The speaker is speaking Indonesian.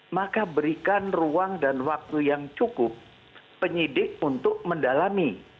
maka berikan ruang dan waktu yang cukup penyidik untuk mendalami